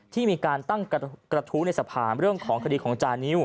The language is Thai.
ที่มีการตั้งกระทู้ในสภาเรื่องของคดีของจานิว